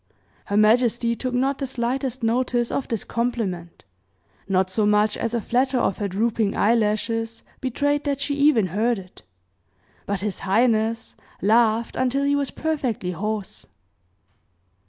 Her majesty took not the slightest notice of this compliment, not so much as a flatter of her drooping eye lashes betrayed that she even heard it, but his highness laughed until he was perfectly hoarse.